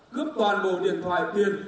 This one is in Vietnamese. cướp toàn bộ điện thoại tiên